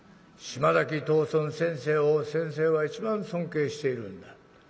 島崎藤村先生を先生は一番尊敬しているんだ。